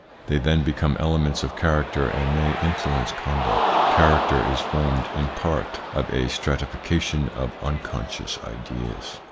They then become elements of character and may influence conduct. Character is formed in part of a stratification of unconscious ideas.